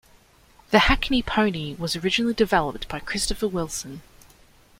The Hackney Pony was originally developed by Christopher Wilson.